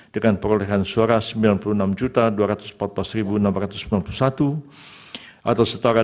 dan diperoleh dan menetapkan hasil pemilihan umum presiden dan wakil presiden